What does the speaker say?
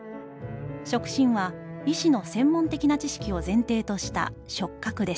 触診は、医師の専門的な知識を前提とした触覚です」。